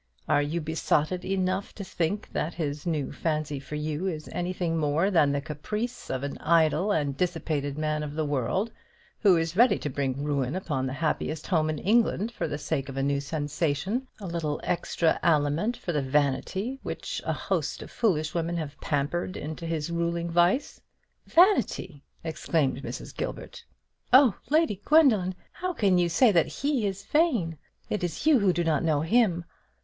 Are you besotted enough to think that his new fancy for you is anything more than the caprice of an idle and dissipated man of the world, who is ready to bring ruin upon the happiest home in England for the sake of a new sensation, a little extra aliment for the vanity which a host of foolish women have pampered into his ruling vice?" "Vanity!" exclaimed Mrs. Gilbert; "oh, Lady Gwendoline, how can you say that he is vain? It is you who do not know him.